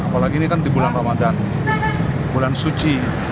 apalagi ini kan di bulan ramadan bulan suci